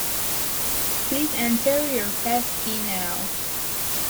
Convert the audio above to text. Please enter your passkey now